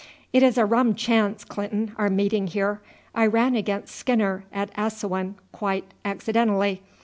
"It is a rum chance, Clinton, our meeting here. I ran against Skinner at Assouan quite accidentally.